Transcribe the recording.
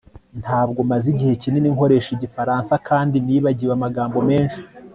Ntabwo maze igihe kinini nkoresha igifaransa kandi nibagiwe amagambo menshi